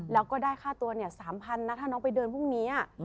เราก็ได้ค่าตัวเนี่ย๓๐๐๐นะถ้าน้องไปเดินพรุ่งนี้